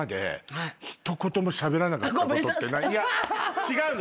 違うの！